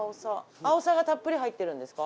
あおさがたっぷり入ってるんですか？